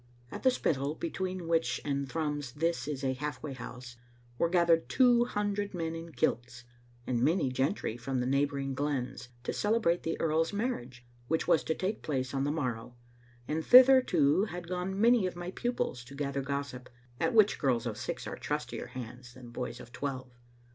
At the Spittal, between which and Thrums this is a halfway house, were gathered two hundred men in kilts, and many gentry from the neighboring glens, to celebrate the earl's marriage, which was to take place on the morrow, and thither, too, had gone many of my pupils to gather gossip, at which girls of six are trustier hands than boys of twelve.